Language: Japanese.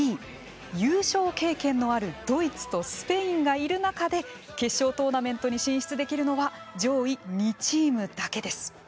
優勝経験のあるドイツとスペインがいる中で決勝トーナメントに進出できるのは上位２チームだけです。